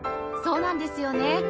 そうなんですよね